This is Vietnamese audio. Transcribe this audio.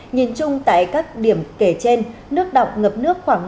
nhìn chung tại các điểm kể trên nước động ngập nước khoảng hai mươi km